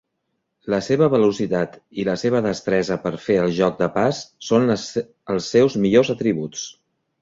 La seva velocitat i la seva destresa per fer el joc de pas són els seus millors atributs.